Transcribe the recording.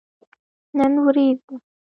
نن وريځ ده